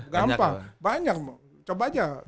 gampang banyak coba aja